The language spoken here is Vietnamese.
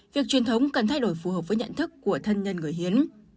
việc truyền thống cần thay đổi phù hợp với nhận thức của thân nhân người hiến